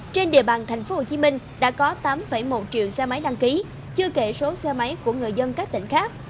trên địa bàn tp hcm đã có tám một triệu xe máy đăng ký chưa kể số xe máy của người dân các tỉnh khác